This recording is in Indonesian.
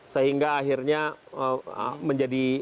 sehingga akhirnya menjadi menjadi